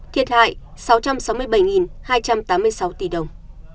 thiệt hại sáu trăm sáu mươi bảy hai trăm tám mươi sáu tỷ đồng